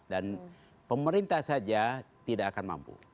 dan pemerintah saja tidak akan mampu